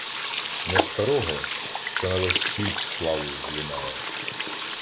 Не старого, що на весь світ Славою лунає